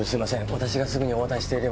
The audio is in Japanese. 私がすぐにお渡ししていれば。